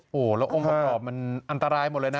โอ้โหแล้วองค์ประกอบมันอันตรายหมดเลยนะ